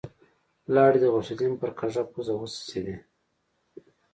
لاړې د غوث الدين پر کږه پزه وڅڅېدې.